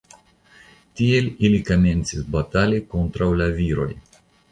Tiel ili komencis batali kontraŭ la viroj.